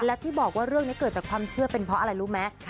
และที่บอกว่าเรื่องนี้เกิดจากความเชื่อเป็นเพราะอะไรรู้ไหม